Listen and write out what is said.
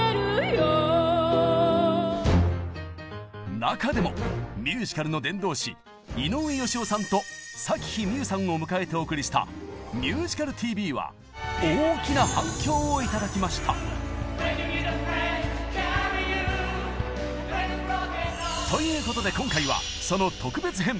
中でもミュージカルの伝道師井上芳雄さんと咲妃みゆさんを迎えてお送りした「ミュージカルＴＶ」は大きな反響を頂きました！ということで今回はその特別編第２弾！